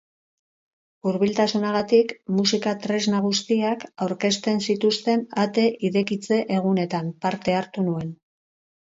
Hurbiltasunagatik, musika tresna guziak aurkezten zituzten ate idekitze egunetan parte hartu nuen.